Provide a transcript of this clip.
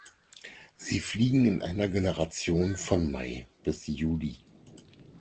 Sie fliegen in einer Generation von Mai bis Juli.